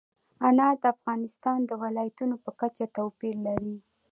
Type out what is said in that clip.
انار د افغانستان د ولایاتو په کچه توپیر لري.